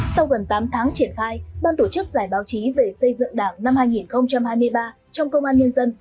sau gần tám tháng triển khai ban tổ chức giải báo chí về xây dựng đảng năm hai nghìn hai mươi ba trong công an nhân dân